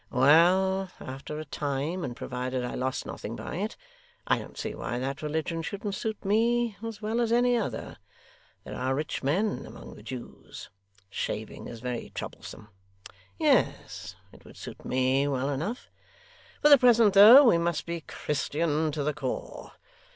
Well! After a time, and provided I lost nothing by it, I don't see why that religion shouldn't suit me as well as any other. There are rich men among the Jews; shaving is very troublesome; yes, it would suit me well enough. For the present, though, we must be Christian to the core.